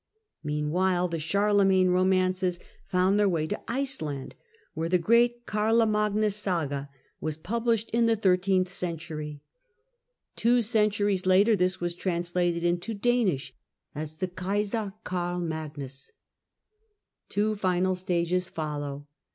Meanwhile the Charlemagne romances found their way to Iceland, where the great Karlmnagnus Scum THE CHARLEMAGNE OF ROMANCE 203 was published in the thirteenth century. Two centuries later this was translated into Danish as the Kejser Karl Magnus. Two final stages follow.